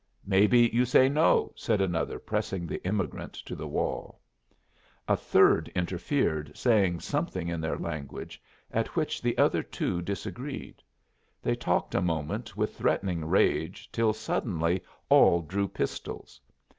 "Maybe you say no?" said another, pressing the emigrant to the wall. A third interfered, saying something in their language, at which the other two disagreed. They talked a moment with threatening rage till suddenly all drew pistols.